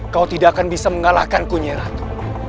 kau tidak akan bisa mengalahkanku nyeratu